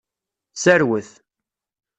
Serwet.